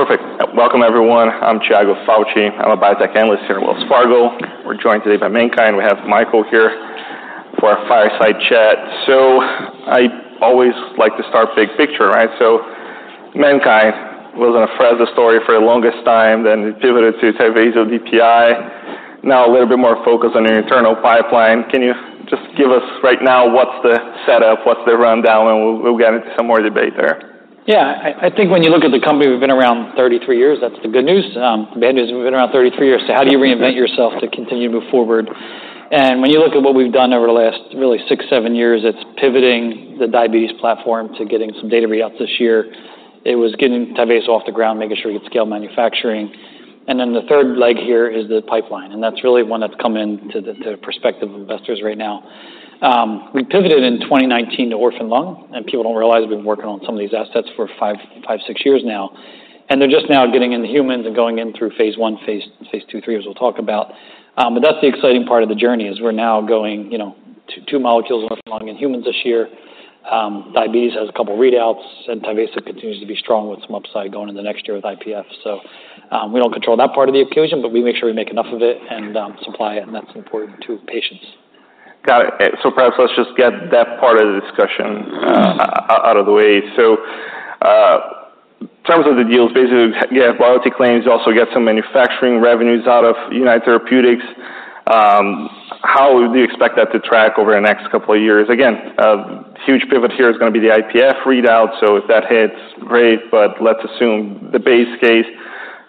Perfect. Welcome, everyone. I'm Tiago Fauth. I'm a biotech analyst here at Wells Fargo. We're joined today by MannKind, and we have Michael here for a fireside chat. So I always like to start big picture, right? So MannKind was on Afrezza story for the longest time, then it pivoted to Tyvaso DPI. Now, a little bit more focused on your internal pipeline. Can you just give us right now what's the setup, what's the rundown, and we'll get into some more debate there. Yeah, I think when you look at the company, we've been around 33 years. That's the good news. Bad news, we've been around 33 years, so how do you reinvent yourself to continue to move forward? And when you look at what we've done over the last really six, seven years, it's pivoting the diabetes platform to getting some data readouts this year. It was getting Tyvaso off the ground, making sure we get scale manufacturing. And then the third leg here is the pipeline, and that's really one that's come into the prospective investors right now. We pivoted in 2019 to orphan lung, and people don't realize we've been working on some of these assets for five, six years now, and they're just now getting into humans and going in through phase I, phase II/III, as we'll talk about. But that's the exciting part of the journey, is we're now going, you know, to two molecules in orphan lung in humans this year. Diabetes has a couple of readouts, and Tyvaso continues to be strong with some upside going in the next year with IPF. So, we don't control that part of the equation, but we make sure we make enough of it and, supply it, and that's important to patients. Got it. So perhaps let's just get that part of the discussion out of the way. So, in terms of the deals, basically, you have royalty claims. You also get some manufacturing revenues out of United Therapeutics. How would you expect that to track over the next couple of years? Again, a huge pivot here is gonna be the IPF readout, so if that hits, great, but let's assume the base case.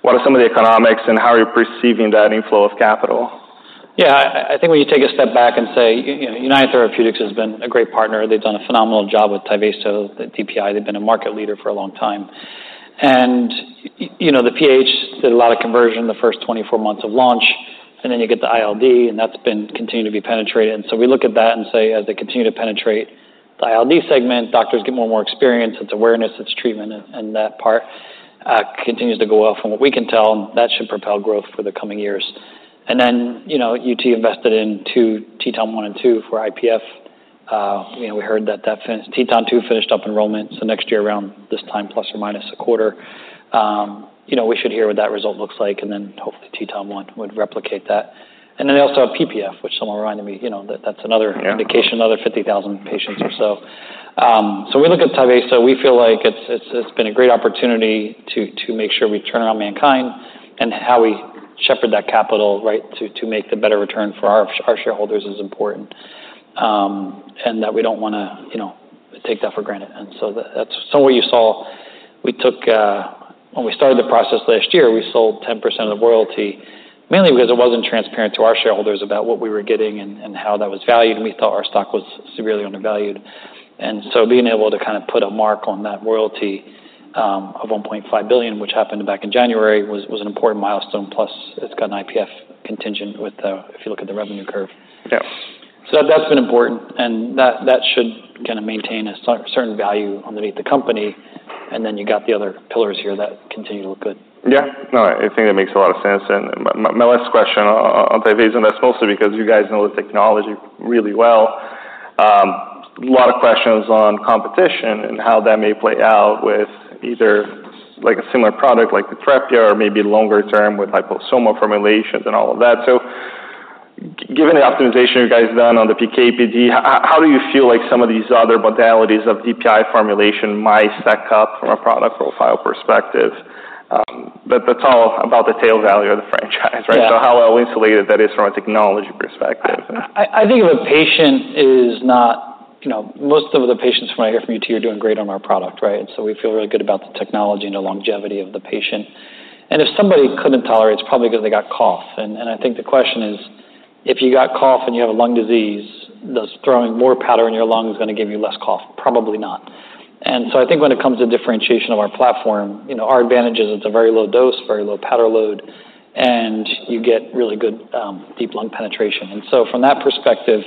What are some of the economics, and how are you perceiving that inflow of capital? Yeah, I think when you take a step back and say, you know, United Therapeutics has been a great partner. They've done a phenomenal job with Tyvaso, the DPI. They've been a market leader for a long time. And you know, the PH did a lot of conversion in the first 24 months of launch, and then you get the ILD, and that's been continuing to be penetrated. So we look at that and say, as they continue to penetrate the ILD segment, doctors get more and more experience. It's awareness, it's treatment, and that part continues to go well. From what we can tell, that should propel growth for the coming years. And then, you know, UT invested in two TETON 1 and 2 for IPF. You know, we heard that TETON 2 finished up enrollment. Next year, around this time, plus or minus a quarter, you know, we should hear what that result looks like, and then hopefully TETON 1 would replicate that. Then they also have PPF, which someone reminded me, you know, that that's another- Yeah... indication, another 50,000 patients or so. So we look at Tyvaso, we feel like it's been a great opportunity to make sure we turn around MannKind and how we shepherd that capital, right, to make the better return for our shareholders is important. And that we don't wanna, you know, take that for granted. And so that's somewhere you saw. We took, when we started the process last year, we sold 10% of the royalty, mainly because it wasn't transparent to our shareholders about what we were getting and how that was valued, and we thought our stock was severely undervalued. And so being able to kind of put a mark on that royalty of $1.5 billion, which happened back in January, was an important milestone. Plus, it's got an IPF contingent with, if you look at the revenue curve. Yeah. So that's been important, and that should kind of maintain a certain value underneath the company, and then you got the other pillars here that continue to look good. Yeah. No, I think that makes a lot of sense. And my last question on Tyvaso, and that's mostly because you guys know the technology really well. A lot of questions on competition and how that may play out with either, like, a similar product like the Yutrepia or maybe longer term with hypo-osmolar formulations and all of that. So given the optimization you guys done on the PK/PD, how do you feel like some of these other modalities of DPI formulation might stack up from a product profile perspective? But that's all about the tail value of the franchise, right? Yeah. So how well insulated that is from a technology perspective? I think. You know, most of the patients when I hear from UT are doing great on our product, right? We feel really good about the technology and the longevity of the patient. If somebody couldn't tolerate it, it's probably because they got cough. I think the question is, if you got cough and you have a lung disease, does throwing more powder in your lung gonna give you less cough? Probably not. I think when it comes to differentiation of our platform, you know, our advantage is it's a very low dose, very low powder load, and you get really good deep lung penetration. From that perspective,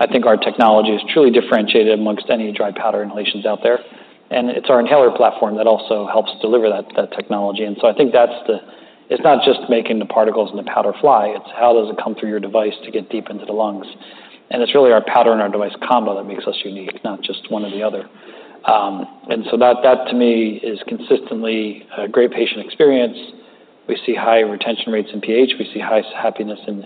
I think our technology is truly differentiated amongst any dry powder inhalers out there, and it's our inhaler platform that also helps deliver that technology. I think that's it. It's not just making the particles and the powder fly. It's how does it come through your device to get deep into the lungs? It's really our powder and our device combo that makes us unique, not just one or the other. That to me is consistently a great patient experience. We see high retention rates in PH. We see high happiness in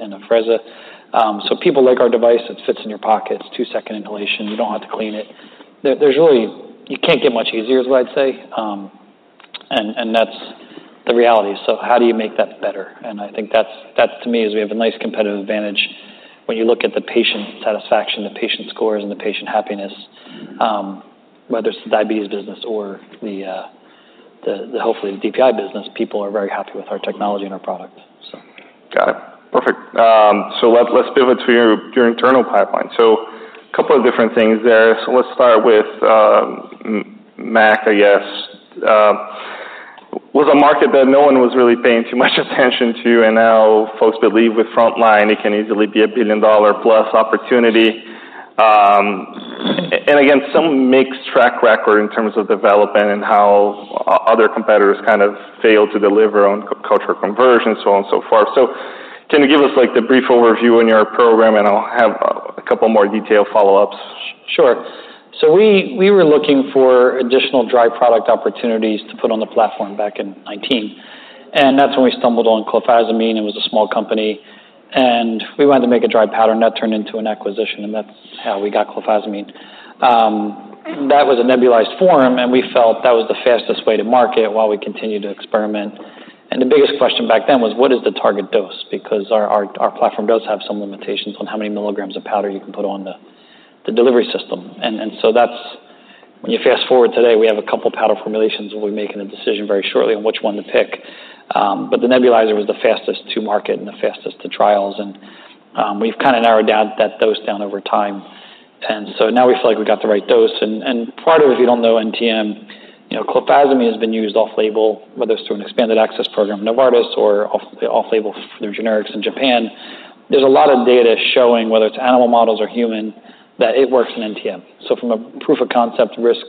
Afrezza. People like our device. It fits in your pocket. It's two-second inhalation. You don't have to clean it. You can't get much easier, is what I'd say, and that's the reality, so how do you make that better? I think that's, that to me, is we have a nice competitive advantage when you look at the patient satisfaction, the patient scores, and the patient happiness, whether it's the diabetes business or the, hopefully, the DPI business, people are very happy with our technology and our products, so. Got it. Perfect. So let's pivot to your internal pipeline. So a couple of different things there. So let's start with MAC, I guess. Was a market that no one was really paying too much attention to, and now folks believe with frontline, it can easily be a billion-dollar-plus opportunity. And again, some mixed track record in terms of development and how other competitors kind of failed to deliver on culture conversion, so on and so forth. So can you give us, like, the brief overview in your program? And I'll have a couple more detailed follow-ups shortly.... Sure. So we were looking for additional dry product opportunities to put on the platform back in 2019, and that's when we stumbled on clofazimine. It was a small company, and we wanted to make a dry powder, and that turned into an acquisition, and that's how we got clofazimine. That was a nebulized form, and we felt that was the fastest way to market while we continued to experiment. The biggest question back then was, what is the target dose? Because our platform does have some limitations on how many milligrams of powder you can put on the delivery system, and so that's when you fast-forward today, we have a couple powder formulations, and we're making a decision very shortly on which one to pick. But the nebulizer was the fastest to market and the fastest to trials, and we've kind of narrowed down that dose over time. And so now we feel like we got the right dose. And part of, if you don't know NTM, you know, clofazimine has been used off-label, whether it's through an expanded access program, Novartis or off-label through generics in Japan. There's a lot of data showing, whether it's animal models or human, that it works in NTM. So from a proof of concept risk,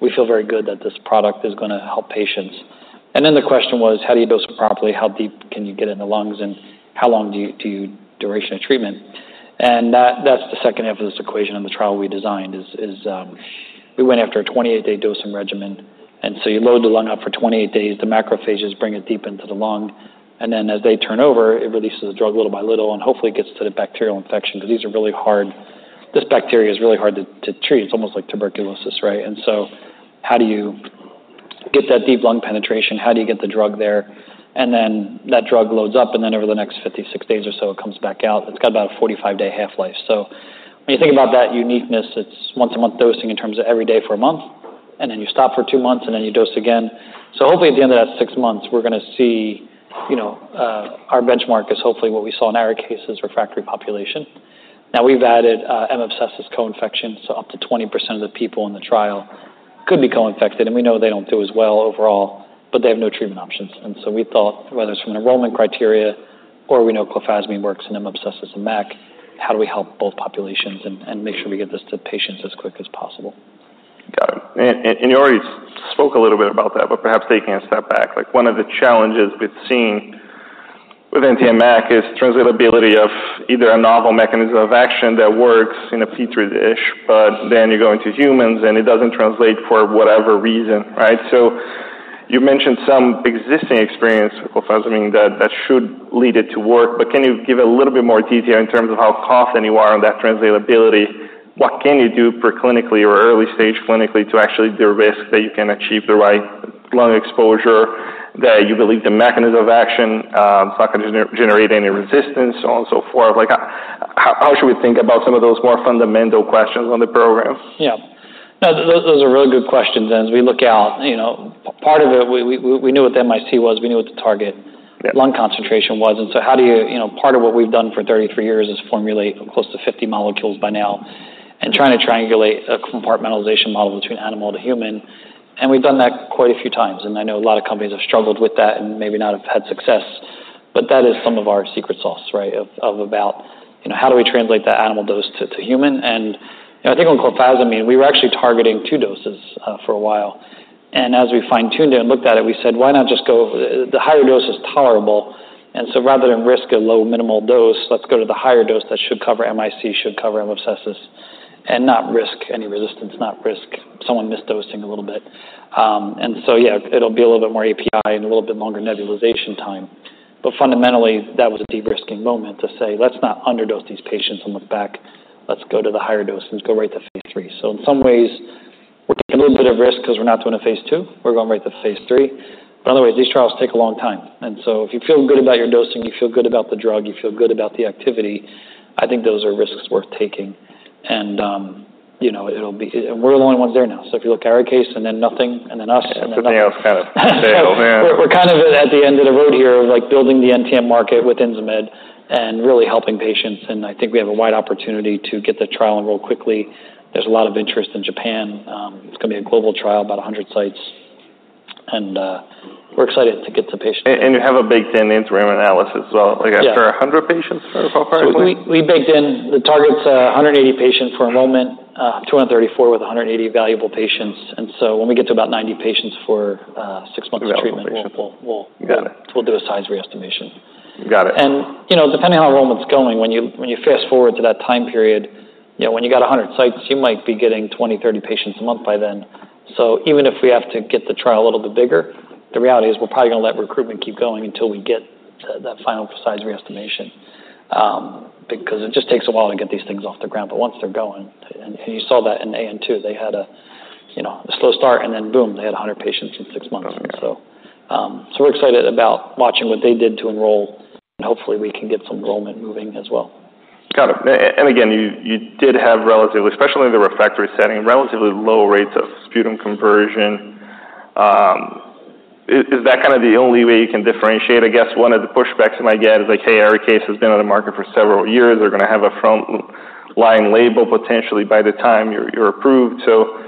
we feel very good that this product is going to help patients. And then the question was, how do you dose it properly? How deep can you get in the lungs, and how long do you... Duration of treatment? That, that's the second half of this equation in the trial we designed, is we went after a 28-day dosing regimen, and so you load the lung up for 28 days, the macrophages bring it deep into the lung, and then as they turn over, it releases the drug little by little and hopefully gets to the bacterial infection. But these are really hard, this bacteria is really hard to treat. It's almost like tuberculosis, right? And so how do you get that deep lung penetration? How do you get the drug there? And then that drug loads up, and then over the next 56 days or so, it comes back out. It's got about a 45-day half-life. So when you think about that uniqueness, it's once-a-month dosing in terms of every day for a month, and then you stop for two months, and then you dose again. So hopefully, at the end of that six months, we're going to see, you know, our benchmark is hopefully what we saw in Arikayce, refractory population. Now, we've added, M. abscessus co-infection, so up to 20% of the people in the trial could be co-infected, and we know they don't do as well overall, but they have no treatment options. And so we thought, whether it's from an enrollment criteria or we know clofazimine works in M. abscessus in MAC, how do we help both populations and make sure we get this to patients as quick as possible? Got it. And you already spoke a little bit about that, but perhaps taking a step back, like, one of the challenges we've seen with NTM MAC is translatability of either a novel mechanism of action that works in a petri dish, but then you go into humans, and it doesn't translate for whatever reason, right? So you mentioned some existing experience with clofazimine that should lead it to work, but can you give a little bit more detail in terms of how confident you are on that translatability? What can you do pre-clinically or early-stage clinically to actually de-risk that you can achieve the right lung exposure, that you believe the mechanism of action, it's not going to generate any resistance, so on and so forth? Like, how should we think about some of those more fundamental questions on the program? Yeah. Those are really good questions, and as we look out, you know, part of it, we knew what the MIC was, we knew what the target- Yeah. lung concentration was, and so how do you... You know, part of what we've done for 33 years is formulate close to 50 molecules by now and trying to triangulate a compartmentalization model between animal to human, and we've done that quite a few times, and I know a lot of companies have struggled with that and maybe not have had success. But that is some of our secret sauce, right? Of about, you know, how do we translate that animal dose to human? And, you know, I think on clofazimine, we were actually targeting two doses for a while. And as we fine-tuned it and looked at it, we said, "Why not just go. The higher dose is tolerable, and so rather than risk a low minimal dose, let's go to the higher dose that should cover MIC, should cover M. abscessus, and not risk any resistance, not risk someone missed dosing a little bit." And so, yeah, it'll be a little bit more API and a little bit longer nebulization time. But fundamentally, that was a de-risking moment to say: Let's not underdose these patients and look back. Let's go to the higher dose and go right to phase III. In some ways, we're taking a little bit of risk because we're not doing a phase II. We're going right to phase III. But otherwise, these trials take a long time, and so if you feel good about your dosing, you feel good about the drug, you feel good about the activity, I think those are risks worth taking. And, you know, it'll be... And we're the only ones there now. So if you look at Arikayce and then nothing, and then us, and then nothing. Yeah, kind of yeah. We're kind of at the end of the road here, like, building the NTM market with Insmed and really helping patients, and I think we have a wide opportunity to get the trial enrolled quickly. There's a lot of interest in Japan. It's going to be a global trial, about 100 sites, and we're excited to get to patients. And you have a big interim analysis as well. Yeah. Like, after 100 patients, or approximately? We baked in. The target's 180 patients for a moment, 234 with 180 valuable patients. And so when we get to about 90 patients for six months of treatment- Treatment population. -we'll, we'll- Got it. We'll do a size reestimation. Got it. You know, depending on how enrollment's going, when you, when you fast-forward to that time period, you know, when you got 100 sites, you might be getting 20, 30 patients a month by then. Even if we have to get the trial a little bit bigger, the reality is we're probably going to let recruitment keep going until we get to that final size reestimation, because it just takes a while to get these things off the ground. Once they're going, and, and you saw that in IMPALA-2, they had a, you know, a slow start, and then boom, they had 100 patients in six months. Okay. We're excited about watching what they did to enroll, and hopefully, we can get some enrollment moving as well. Got it. And again, you did have relatively, especially in the refractory setting, relatively low rates of sputum conversion. Is that kind of the only way you can differentiate? I guess one of the pushbacks you might get is, like, hey, Arikayce has been on the market for several years. They're going to have a front-line label potentially by the time you're approved. So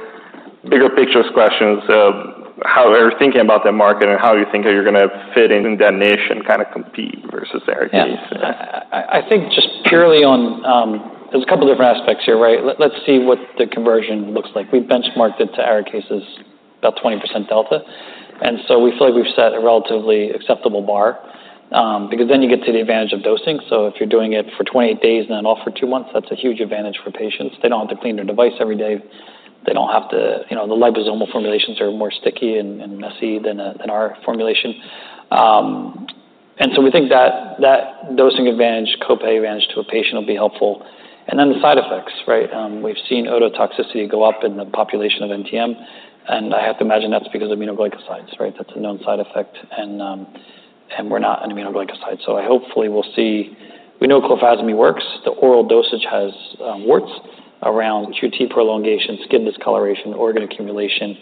bigger picture questions of how they're thinking about that market and how you think that you're going to fit in that niche and kind of compete versus Arikayce. Yeah. I think just purely on. There's a couple different aspects here, right? Let's see what the conversion looks like. We benchmarked it to Arikayce, about 20% delta, and so we feel like we've set a relatively acceptable bar, because then you get to the advantage of dosing. So if you're doing it for 28 days, then off for 2 months, that's a huge advantage for patients. They don't have to clean their device every day. They don't have to, you know, the liposomal formulations are more sticky and messy than our formulation. And so we think that dosing advantage, copay advantage to a patient will be helpful. And then the side effects, right? We've seen ototoxicity go up in the population of NTM, and I have to imagine that's because aminoglycosides, right? That's a known side effect, and we're not an aminoglycoside. So I hopefully will see. We know clofazimine works. The oral dosage has warts around QT prolongation, skin discoloration, organ accumulation,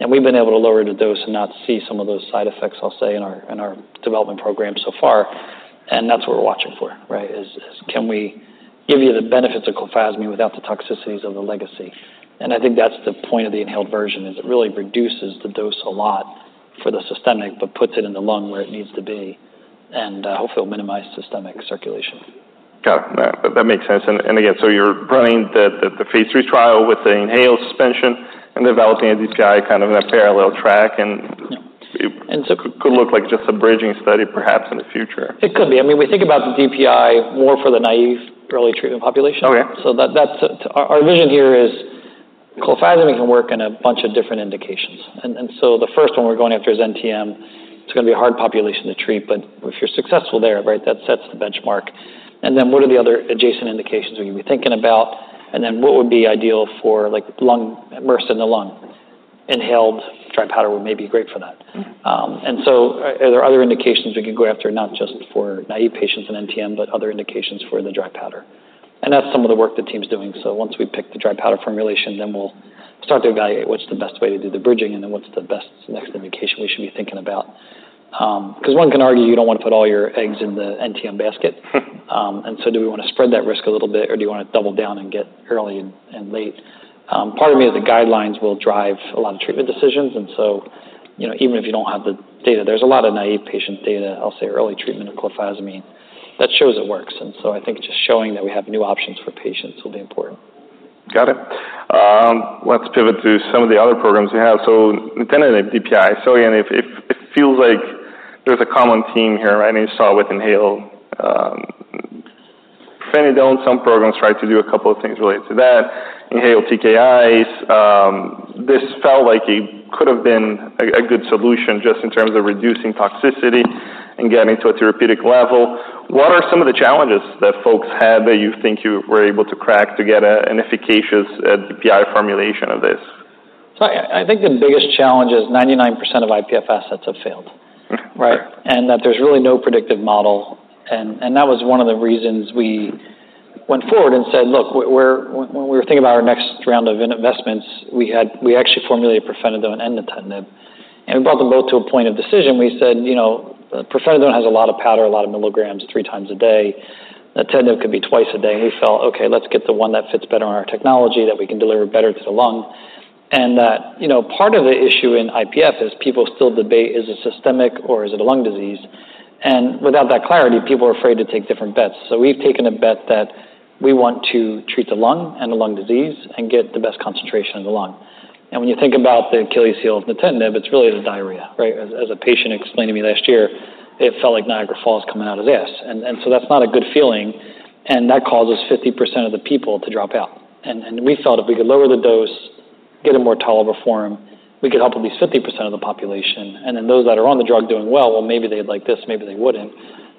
and we've been able to lower the dose and not see some of those side effects, I'll say, in our development program so far, and that's what we're watching for, right? Can we give you the benefits of clofazimine without the toxicities of the legacy? And I think that's the point of the inhaled version, is it really reduces the dose a lot for the systemic, but puts it in the lung where it needs to be, and hopefully, it'll minimize systemic circulation. Got it. That makes sense. And again, so you're running the phase III trial with the inhaled suspension and developing a DPI kind of in a parallel track, and- Yeah. It could look like just a bridging study, perhaps, in the future. It could be. I mean, we think about the DPI more for the naive early treatment population. Okay. Our vision here is clofazimine can work in a bunch of different indications, and so the first one we're going after is NTM. It's gonna be a hard population to treat, but if you're successful there, right, that sets the benchmark. What are the other adjacent indications you gonna be thinking about? What would be ideal for, like, lung, immersed in the lung? Inhaled dry powder may be great for that. And so are there other indications we can go after, not just for naive patients in NTM, but other indications for the dry powder? That's some of the work the team's doing. Once we pick the dry powder formulation, then we'll start to evaluate what's the best way to do the bridging and then what's the best next indication we should be thinking about. Because one can argue, you don't want to put all your eggs in the NTM basket. And so do we wanna spread that risk a little bit, or do you wanna double down and get early and late? Part of me, the guidelines will drive a lot of treatment decisions, and so, you know, even if you don't have the data, there's a lot of naive patient data, I'll say, early treatment of clofazimine that shows it works. And so I think just showing that we have new options for patients will be important. Got it. Let's pivot to some of the other programs you have. So nintedanib DPI. So again, if it feels like there's a common theme here, right? And you saw with inhaled nintedanib, some programs tried to do a couple of things related to that, inhaled TKIs. This felt like it could have been a good solution just in terms of reducing toxicity and getting to a therapeutic level. What are some of the challenges that folks had that you think you were able to crack to get an efficacious DPI formulation of this? So I think the biggest challenge is 99% of IPF assets have failed. Right. And that there's really no predictive model, and that was one of the reasons we went forward and said, "Look, we're--" When we were thinking about our next round of investments, we had, we actually formulated pirfenidone and nintedanib, and we brought them both to a point of decision. We said, "You know, pirfenidone has a lot of powder, a lot of milligrams, three times a day. Nintedanib could be twice a day." And we felt, Okay, let's get the one that fits better on our technology, that we can deliver better to the lung. And that, you know, part of the issue in IPF is people still debate, is it systemic or is it a lung disease? And without that clarity, people are afraid to take different bets. So we've taken a bet that we want to treat the lung and the lung disease and get the best concentration of the lung. And when you think about the Achilles heel of nintedanib, it's really the diarrhea, right? As a patient explained to me last year, it felt like Niagara Falls coming out of the ass. And so that's not a good feeling, and that causes 50% of the people to drop out. And we felt if we could lower the dose, get a more tolerable form, we could help at least 50% of the population, and then those that are on the drug doing well, well, maybe they'd like this, maybe they wouldn't.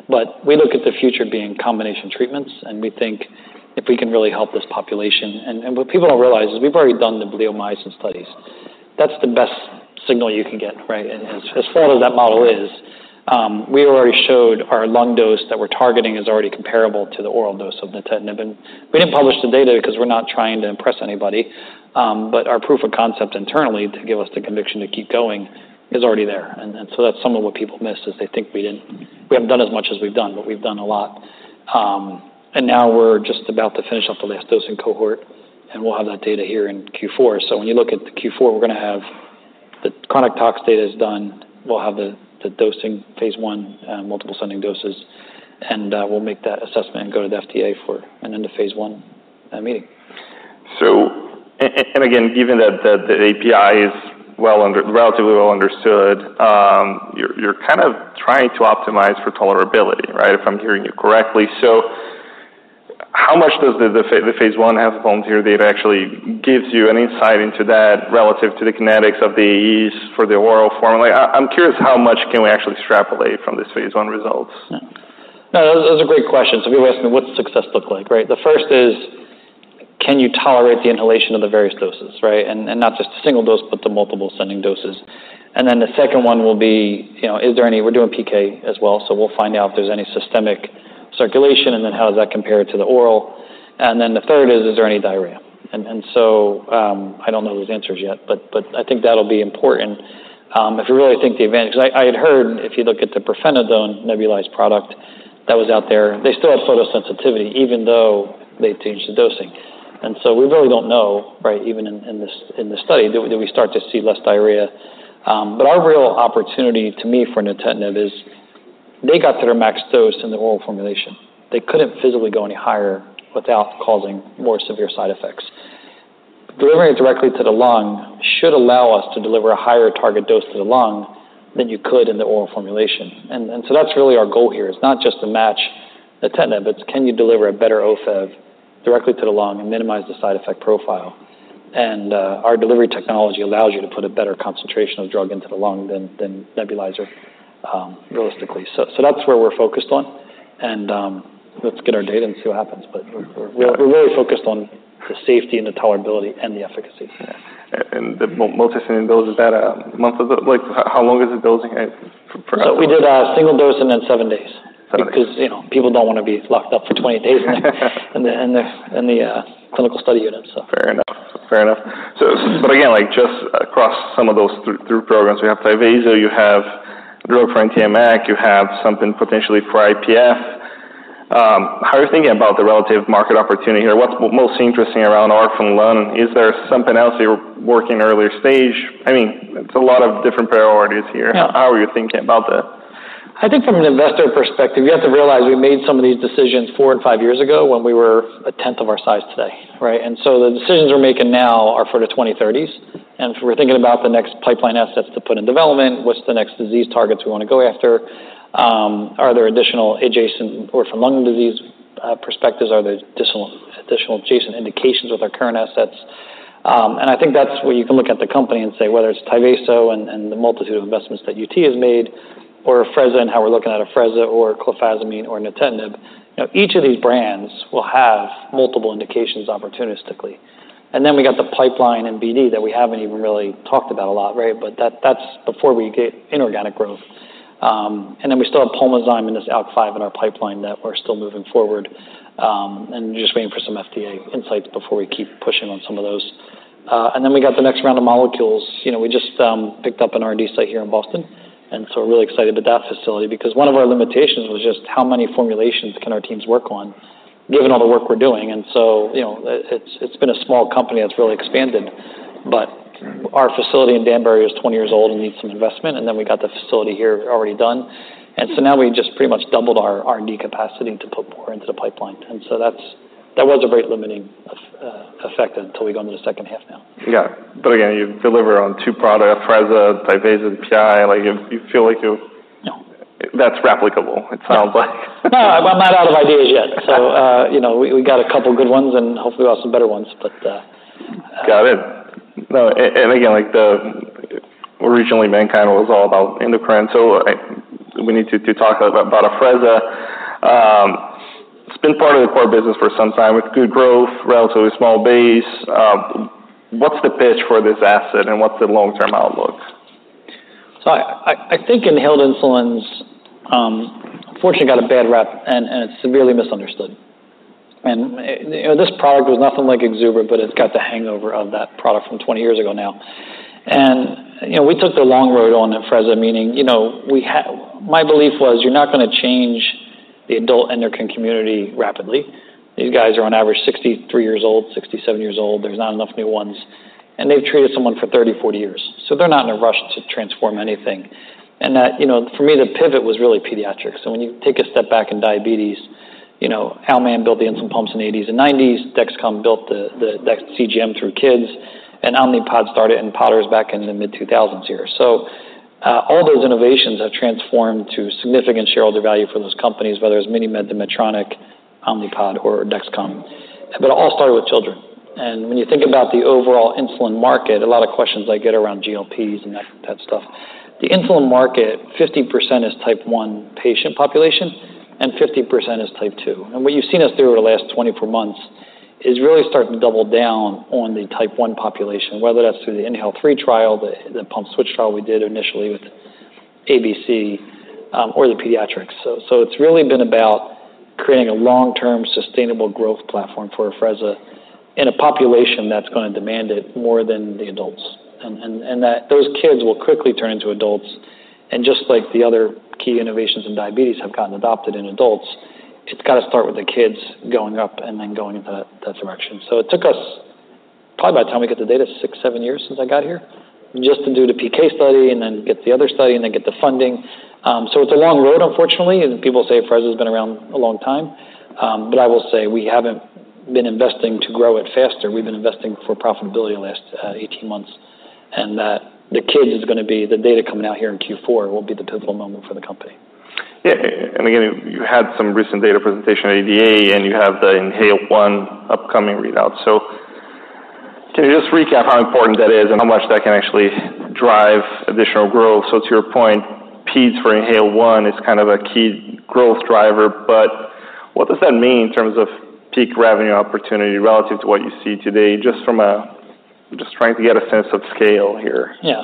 But we look at the future being combination treatments, and we think if we can really help this population... What people don't realize is we've already done the bleomycin studies. That's the best signal you can get, right? Sure. As far as that model is, we already showed our lung dose that we're targeting is already comparable to the oral dose of nintedanib. And we didn't publish the data because we're not trying to impress anybody, but our proof of concept internally to give us the conviction to keep going is already there. And then, so that's some of what people miss, is they think we didn't, we haven't done as much as we've done, but we've done a lot. And now we're just about to finish up the last dosing cohort, and we'll have that data here in Q4. So when you look at Q4, we're gonna have the chronic tox data is done, we'll have the dosing phase I and multiple ascending doses, and we'll make that assessment go to the FDA for, and then the phase I meeting. So, and again, given that the API is relatively well understood, you're kind of trying to optimize for tolerability, right? If I'm hearing you correctly. How much does the phase I healthy volunteer data actually gives you an insight into that, relative to the kinetics of the AEs for the oral formula? I'm curious, how much can we actually extrapolate from this phase I results? No, that's a great question. So people ask me, what's success look like, right? The first is, can you tolerate the inhalation of the various doses, right? And not just the single dose, but the multiple ascending doses. And then the second one will be, you know, is there any... We're doing PK as well, so we'll find out if there's any systemic circulation, and then how does that compare to the oral? And then the third is, is there any diarrhea? And so, I don't know those answers yet, but I think that'll be important, if you really think the advantage. I had heard, if you look at the pirfenidone nebulized product that was out there, they still have photosensitivity even though they changed the dosing. And so we really don't know, right, even in this study, did we start to see less diarrhea? But our real opportunity, to me, for nintedanib is they got their max dose in the oral formulation. They couldn't physically go any higher without causing more severe side effects. Delivering it directly to the lung should allow us to deliver a higher target dose to the lung than you could in the oral formulation. And so that's really our goal here, is not just to match the tenet, but can you deliver a better Ofev directly to the lung and minimize the side effect profile? And our delivery technology allows you to put a better concentration of drug into the lung than nebulizer, realistically. So that's where we're focused on. And let's get our data and see what happens. But we're really focused on the safety and the tolerability and the efficacy. Yeah. And the maintenance dose, is that a month of it? Like, how long is the dosing at for- We did a single dose and then seven days. Seven days. Because, you know, people don't want to be locked up for 20 days in the clinical study unit, so. Fair enough. Fair enough. So but again, like, just across some of those three programs, we have Tyvaso, you have drug for NTM MAC, you have something potentially for IPF. How are you thinking about the relative market opportunity here? What's most interesting around arc from lung? Is there something else you're working earlier stage? I mean, it's a lot of different priorities here. Yeah. How are you thinking about that? I think from an investor perspective, you have to realize we made some of these decisions four and five years ago when we were a tenth of our size today, right? And so the decisions we're making now are for the 2030s. And if we're thinking about the next pipeline assets to put in development, what's the next disease targets we want to go after? Are there additional adjacent orphan lung disease perspectives, are there additional adjacent indications with our current assets? And I think that's where you can look at the company and say, whether it's Tyvaso and the multitude of investments that UT has made, or Afrezza, and how we're looking at Afrezza or clofazimine or nintedanib. You know, each of these brands will have multiple indications opportunistically. And then we got the pipeline and BD that we haven't even really talked about a lot, right? But that's before we get inorganic growth. And then we still have Pulmozyme in this ALK-5 in our pipeline that we're still moving forward, and just waiting for some FDA insights before we keep pushing on some of those. And then we got the next round of molecules. You know, we just picked up an R&D site here in Boston, and so we're really excited about that facility. Because one of our limitations was just how many formulations can our teams work on, given all the work we're doing. And so, you know, it's been a small company that's really expanded. But- Right... our facility in Danbury is 20 years old and needs some investment, and then we got the facility here already done. And so now we just pretty much doubled our R&D capacity to put more into the pipeline. And so that's. That was a great limiting effect until we go into the second half now. Yeah. But again, you deliver on two products, Afrezza, Tyvaso, and PI. Like, you feel like you- No. That's replicable, it sounds like. No, I'm not out of ideas yet. So, you know, we got a couple of good ones, and hopefully, we'll have some better ones, but- Got it. Now, and again, like, originally, MannKind was all about endocrine, so we need to talk about Afrezza. It's been part of the core business for some time, with good growth, relatively small base. What's the pitch for this asset, and what's the long-term outlook? I think inhaled insulins fortunately got a bad rep, and it's severely misunderstood. You know, this product was nothing like Exubera, but it's got the hangover of that product from 20 years ago now. You know, we took the long road on Afrezza, meaning you know, we had. My belief was: You're not going to change the adult endocrine community rapidly. These guys are on average 63 years old, 67 years old. There's not enough new ones. They've treated someone for 30, 40 years, so they're not in a rush to transform anything. That, you know, for me, the pivot was really pediatrics. So when you take a step back in diabetes, you know, Al Mann built the insulin pumps in the 80s and 90s, Dexcom built the next CGM for kids, and Omnipod started, and podders back in the mid-2000s here. So all those innovations have transformed to significant shareholder value for those companies, whether it's MiniMed, Medtronic, Omnipod, or Dexcom. But it all started with children. And when you think about the overall insulin market, a lot of questions I get around GLPs and that stuff. The insulin market, 50% is type 1 patient population and 50% is type 2. And what you've seen us do over the last 24 months is really starting to double down on the type 1 population, whether that's through the INHALE-3 trial, the pump switch trial we did initially with ABC, or the pediatrics. So it's really been about creating a long-term, sustainable growth platform for Afrezza in a population that's going to demand it more than the adults. And that those kids will quickly turn into adults, and just like the other key innovations in diabetes have gotten adopted in adults, it's got to start with the kids going up and then going into that direction. So it took us, probably by the time we get the data, six, seven years since I got here, just to do the PK study and then get the other study and then get the funding. So it's a long road, unfortunately, and people say Afrezza has been around a long time. But I will say we haven't been investing to grow it faster. We've been investing for profitability in the last 18 months, and the data coming out here in Q4 will be the pivotal moment for the company. Yeah, and again, you had some recent data presentation at ADA, and you have the INHALE-1 upcoming readout. So can you just recap how important that is and how much that can actually drive additional growth? So to your point, Peds for INHALE-1 is kind of a key growth driver, but what does that mean in terms of peak revenue opportunity relative to what you see today, just from a-- just trying to get a sense of scale here? Yeah.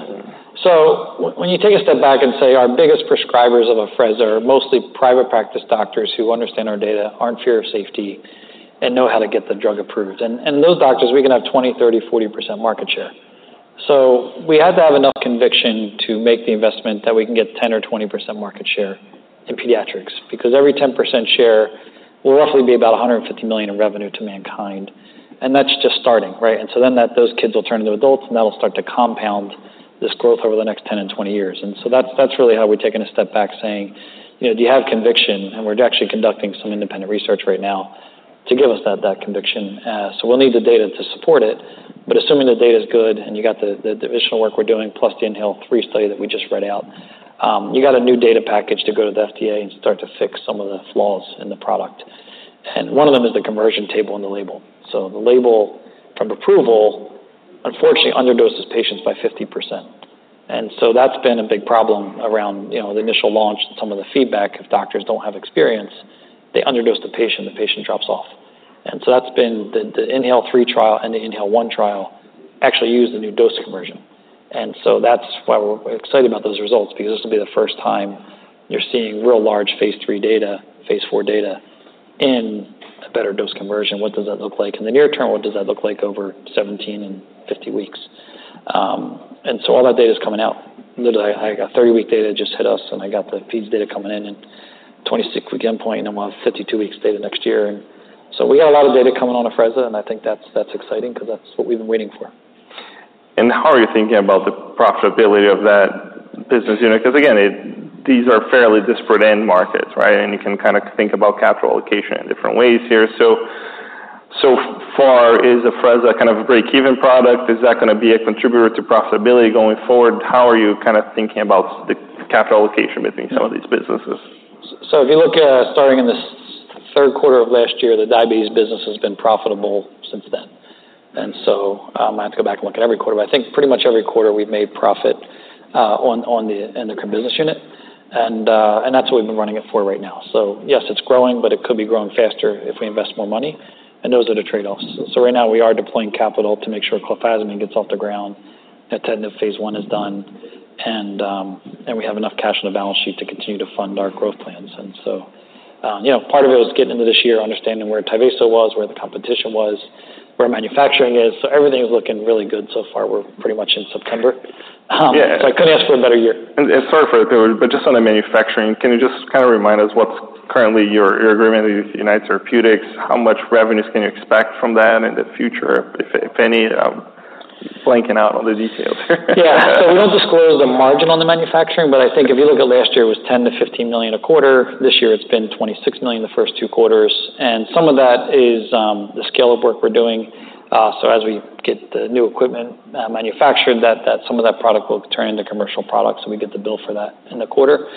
So when you take a step back and say our biggest prescribers of Afrezza are mostly private practice doctors who understand our data, aren't fearful of safety, and know how to get the drug approved. And those doctors, we can have 20%, 30%, 40% market share. So we had to have enough conviction to make the investment that we can get 10% or 20% market share in pediatrics, because every 10% share will roughly be about $150 million in revenue to MannKind, and that's just starting, right? And so then that those kids will turn into adults, and that'll start to compound this growth over the next 10 and 20 years. And so that's really how we've taken a step back, saying, you know, "Do you have conviction?" And we're actually conducting some independent research right now to give us that conviction. So we'll need the data to support it. But assuming the data is good and you got the additional work we're doing, plus the INHALE-3 study that we just read out, you got a new data package to go to the FDA and start to fix some of the flaws in the product. And one of them is the conversion table on the label. So the label from approval, unfortunately, underdoses patients by 50%. And so that's been a big problem around, you know, the initial launch and some of the feedback. If doctors don't have experience, they underdose the patient, the patient drops off. And so that's been the INHALE-3 trial and the INHALE-1 trial actually used the new dose conversion. And so that's why we're excited about those results, because this will be the first time you're seeing real large phase III data, phase IV data in a better dose conversion. What does that look like? In the near term, what does that look like over 17 and 50 weeks? And so all that data is coming out. Literally, I got 30-week data just hit us, and I got the phase III data coming in, and 26-week endpoint, and we'll have 52 weeks data next year. And so we got a lot of data coming on Afrezza, and I think that's exciting because that's what we've been waiting for. And how are you thinking about the profitability of that business unit? Because, again, these are fairly disparate end markets, right? And you can kind of think about capital allocation in different ways here. So, so far, is Afrezza kind of a break-even product? Is that going to be a contributor to profitability going forward? How are you kind of thinking about the capital allocation between some of these businesses? So if you look at starting in the third quarter of last year, the diabetes business has been profitable since then. And so, I have to go back and look at every quarter, but I think pretty much every quarter we've made profit on the endocrine business unit. And that's what we've been running it for right now. So yes, it's growing, but it could be growing faster if we invest more money, and those are the trade-offs. So right now we are deploying capital to make sure Clofazimine gets off the ground. That tentative phase I is done, and we have enough cash on the balance sheet to continue to fund our growth plans. And so, you know, part of it was getting into this year, understanding where Tyvaso was, where the competition was, where manufacturing is. So everything is looking really good so far. We're pretty much in September. Yeah. So, I couldn't ask for a better year. Sorry for it, but just on the manufacturing, can you just kind of remind us what's currently your agreement with United Therapeutics? How much revenues can you expect from that in the future, if any? Blanking out on the details here. Yeah. So we don't disclose the margin on the manufacturing, but I think if you look at last year, it was $10-$15 million a quarter. This year, it's been $26 million the first two quarters, and some of that is the scale of work we're doing. So as we get the new equipment manufactured, that some of that product will turn into commercial products, so we get the bill for that in the quarter.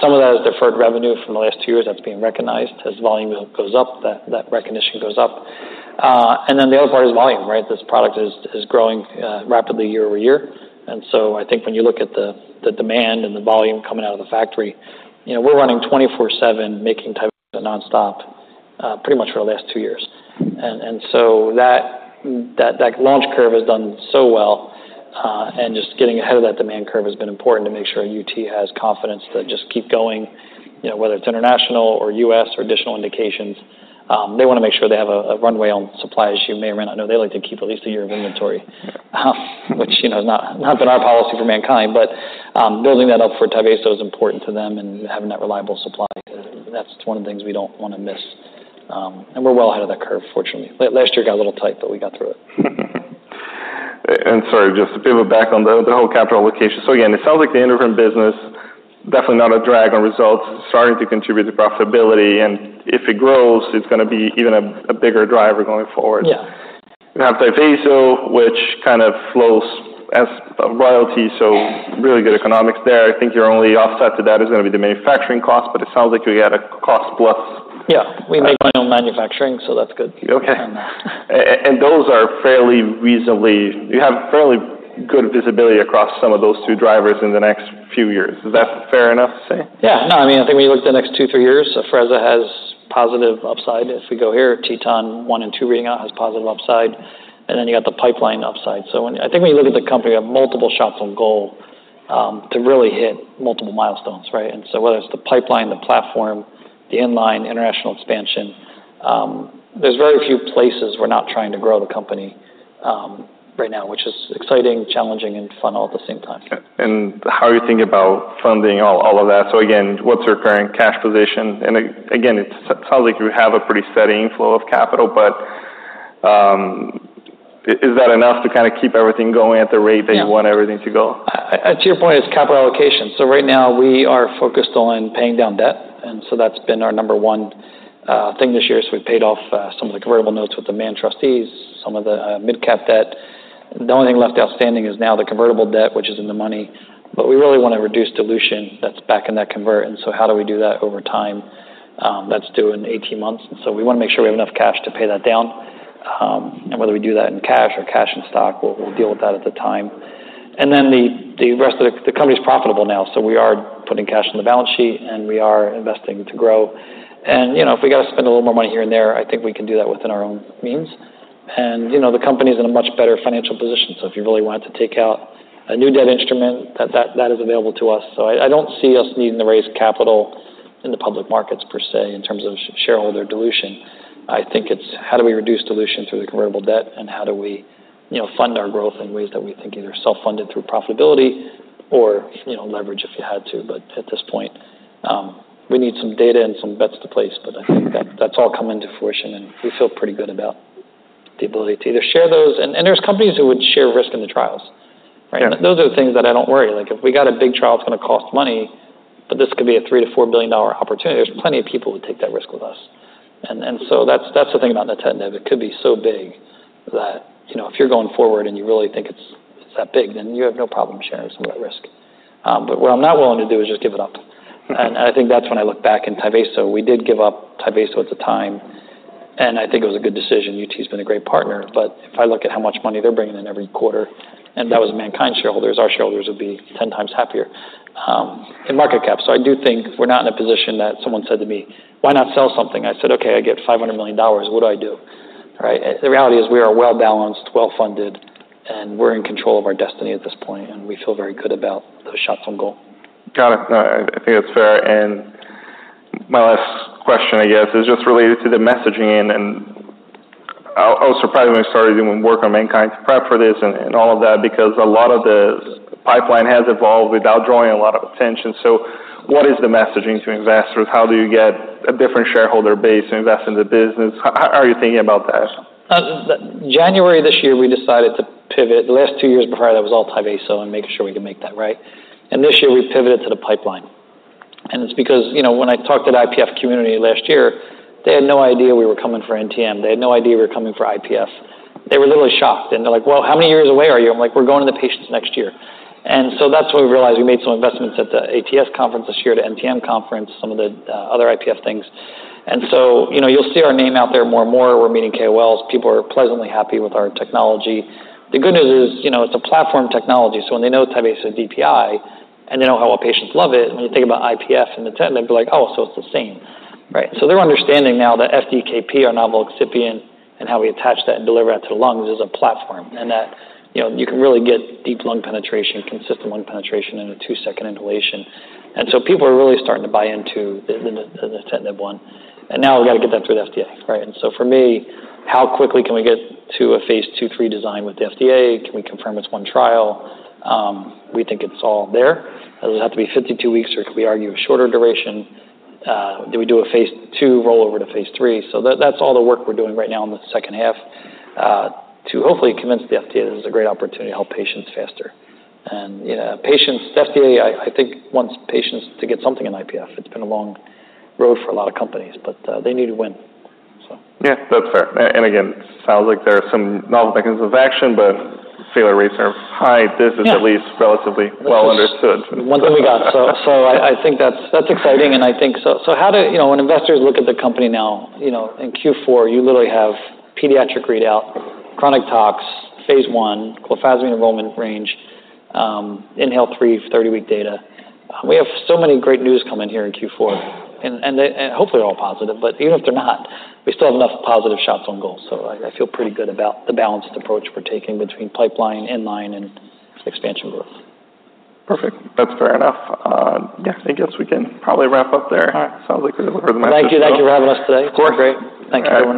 Some of that is deferred revenue from the last two years that's being recognized. As volume goes up, that recognition goes up. And then the other part is volume, right? This product is growing rapidly year over year. And so I think when you look at the demand and the volume coming out of the factory, you know, we're running 24/7, making Tyvaso nonstop, pretty much for the last two years. And so that launch curve has done so well, and just getting ahead of that demand curve has been important to make sure UT has confidence to just keep going. You know, whether it's international or U.S. or additional indications, they want to make sure they have a runway on supply issue. May or may not know, they like to keep at least a year of inventory, which, you know, has not been our policy for MannKind. But building that up for Tyvaso is important to them and having that reliable supply, that's one of the things we don't want to miss. And we're well ahead of that curve, fortunately. Last year got a little tight, but we got through it. Sorry, just to pivot back on the whole capital allocation. Again, it sounds like the end of business, definitely not a drag on results, starting to contribute to profitability, and if it grows, it's going to be even a bigger driver going forward. Yeah. You have Tyvaso, which kind of flows as a royalty, so really good economics there. I think your only offset to that is going to be the manufacturing cost, but it sounds like you had a cost plus. Yeah, we make our own manufacturing, so that's good. Okay. And, uh... And those are fairly reasonably... You have fairly good visibility across some of those two drivers in the next few years. Is that fair enough to say? Yeah. No, I mean, I think when you look at the next two, three years, Afrezza has positive upside. If we go here, TETON 1 and 2 reading out has positive upside, and then you got the pipeline upside. So, I think when you look at the company, you have multiple shots on goal to really hit multiple milestones, right? And so whether it's the pipeline, the platform, the in-line, international expansion, there's very few places we're not trying to grow the company right now, which is exciting, challenging, and fun all at the same time. Okay. And how are you thinking about funding all of that? So again, what's your current cash position? And again, it sounds like you have a pretty steady inflow of capital, but is that enough to kind of keep everything going at the rate- Yeah -that you want everything to go? To your point, it's capital allocation. So right now, we are focused on paying down debt, and so that's been our number one thing this year. So we've paid off some of the convertible notes with the Mann trustees, some of the MidCap debt. The only thing left outstanding is now the convertible debt, which is in the money. But we really want to reduce dilution that's back in that convert, and so how do we do that over time? That's due in eighteen months, and so we want to make sure we have enough cash to pay that down. And whether we do that in cash or cash in stock, we'll deal with that at the time. And then the rest of the company is profitable now, so we are putting cash on the balance sheet, and we are investing to grow. And, you know, if we got to spend a little more money here and there, I think we can do that within our own means. And, you know, the company is in a much better financial position, so if you really wanted to take out a new debt instrument, that is available to us. So I don't see us needing to raise capital in the public markets per se, in terms of shareholder dilution. I think it's how do we reduce dilution through the convertible debt, and how do we, you know, fund our growth in ways that we think either self-funded through profitability or, you know, leverage if you had to. But at this point, we need some data and some bets to place, but I think that's all coming to fruition, and we feel pretty good about the ability to either share those, and there's companies who would share risk in the trials, right? Those are the things that I don't worry. Like, if we got a big trial, it's gonna cost money, but this could be a $3-$4 billion opportunity. There's plenty of people who take that risk with us. And so that's the thing about nintedanib. It could be so big that, you know, if you're going forward and you really think it's that big, then you have no problem sharing some of that risk. But what I'm not willing to do is just give it up. And I think that's when I look back in Tyvaso, we did give up Tyvaso at the time, and I think it was a good decision. UT's been a great partner, but if I look at how much money they're bringing in every quarter, and that was MannKind shareholders, our shareholders would be ten times happier, in market cap. So I do think we're not in a position that someone said to me, "Why not sell something?" I said, "Okay, I get $500 million. What do I do?" Right? The reality is we are well-balanced, well-funded, and we're in control of our destiny at this point, and we feel very good about those shots on goal. Got it. No, I think that's fair. And my last question, I guess, is just related to the messaging, and I was surprised when we started doing work on MannKind to prep for this and all of that, because a lot of the pipeline has evolved without drawing a lot of attention. So what is the messaging to investors? How do you get a different shareholder base to invest in the business? How are you thinking about that? January this year, we decided to pivot. The last two years prior, that was all Tyvaso and making sure we could make that right. And this year we pivoted to the pipeline. And it's because, you know, when I talked to the IPF community last year, they had no idea we were coming for NTM. They had no idea we were coming for IPF. They were literally shocked, and they're like: Well, how many years away are you? I'm like: We're going to the patients next year. And so that's when we realized we made some investments at the ATS conference this year, the NTM conference, some of the other IPF things. And so, you know, you'll see our name out there more and more. We're meeting KOLs. People are pleasantly happy with our technology. The good news is, you know, it's a platform technology, so when they know Tyvaso DPI, and they know how our patients love it, when you think about IPF and nintedanib, they'd be like: Oh, so it's the same. Right? So they're understanding now that FDKP, our novel excipient, and how we attach that and deliver that to the lungs is a platform, and that, you know, you can really get deep lung penetration, consistent lung penetration, in a two-second inhalation. And so people are really starting to buy into the nintedanib one. And now we've got to get that through the FDA, right? And so for me, how quickly can we get to a phase II-III design with the FDA? Can we confirm it's one trial? We think it's all there. Does it have to be 52 weeks, or can we argue a shorter duration? Do we do a phase II roll over to phase III? So that, that's all the work we're doing right now in the second half, to hopefully convince the FDA this is a great opportunity to help patients faster. And, you know, patients... FDA, I think, wants patients to get something in IPF. It's been a long road for a lot of companies, but, they need to win, so. Yeah, that's fair, and again, sounds like there are some novel mechanisms of action, but failure rates are high. Yeah. This is at least relatively well understood. One thing we got. So I think that's exciting. You know, when investors look at the company now, you know, in Q4, you literally have pediatric readout, chronic tox, phase I, clofazimine enrollment range, inhaled TKI 30-week data. We have so many great news coming here in Q4, and hopefully they're all positive, but even if they're not, we still have enough positive shots on goal. So I feel pretty good about the balanced approach we're taking between pipeline, in line, and expansion growth. Perfect. That's fair enough. Yeah, I guess we can probably wrap up there. All right. Sounds like we've heard enough. Thank you. Thank you for having us today. Of course. It's been great. Thanks, everyone.